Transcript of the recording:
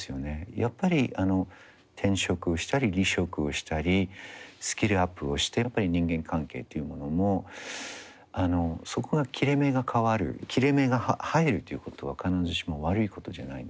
やっぱり転職したり離職をしたりスキルアップをしてやっぱり人間関係っていうものもあのそこが切れ目が変わる切れ目が入るっていうことは必ずしも悪いことじゃないんですね。